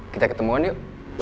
kita ketemuan yuk